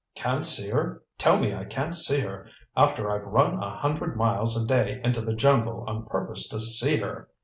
"Can't see her! Tell me I can't see her after I've run a hundred miles a day into the jungle on purpose to see her!